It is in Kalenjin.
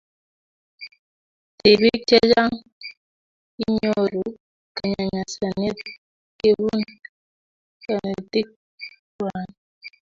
tipik chechang kinyoru kanyanyasanet kopun kanetik kuay